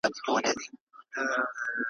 دوست اشارې ته ګوري او دښمن وارې ته `